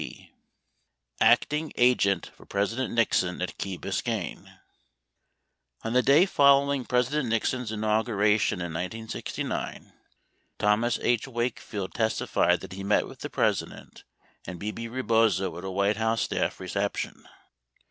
7 D. Acting Agent for President Nixon at Key Biscayne On the day following President Nixon's inauguration in 1969, Thomas H. Wakefield testified that he met with the President and Bebe Rebozo at a White House staff reception.